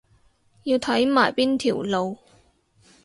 要睇埋邊條路